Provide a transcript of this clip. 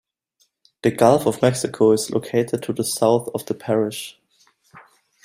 The Gulf of Mexico is located to the south of the parish.